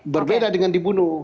berbeda dengan dibunuh